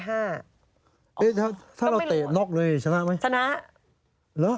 ถ้าเราเตะน็อกเลยชนะไหมชนะ